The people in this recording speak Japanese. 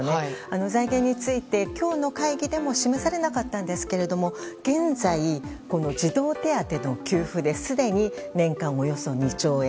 財源について、今日の会議でも示されなかったんですけども現在、児童手当の給付ですでに年間およそ２兆円。